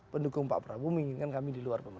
pendukung pak prabowo menginginkan kami di luar